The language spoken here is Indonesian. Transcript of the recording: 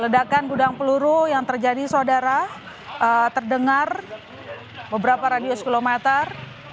ledakan gudang peluru yang terjadi saudara terdengar beberapa radius kilometer